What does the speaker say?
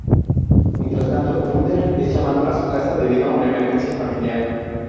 Mientras tanto Mulder es llamado a su casa debido a una emergencia familiar.